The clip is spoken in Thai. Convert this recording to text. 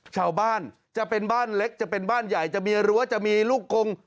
ชาวบ้านจะเป็นบ้านเล็กจะเป็นบ้านใหญ่จะมีรั้วจะมีลูกกง